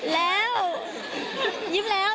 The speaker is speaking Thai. แล้วยิ้มแล้ว